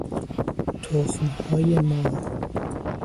تخمهای مار